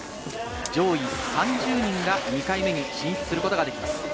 上位３０人が２回目に進出することができます。